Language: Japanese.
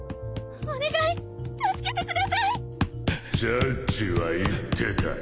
ジャッジは言ってた